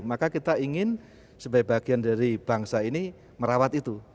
maka kita ingin sebagai bagian dari bangsa ini merawat itu